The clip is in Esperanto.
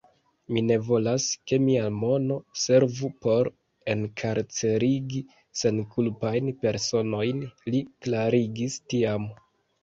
Mi ne volas, ke mia mono servu por enkarcerigi senkulpajn personojn, li klarigis tiam.